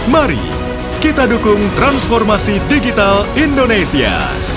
mari kita dukung transformasi digital indonesia